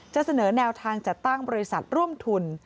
เสนอแนวทางจัดตั้งบริษัทร่วมทุน